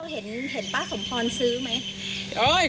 เห็นป้าสมพรซื้อไหม